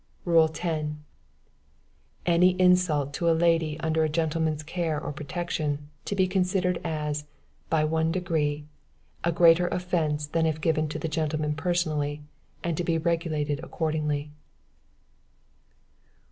"Rule 10. Any insult to a lady under a gentleman's care or protection, to be considered as, by one degree, a greater offence than if given to the gentleman personally, and to be regulated accordingly.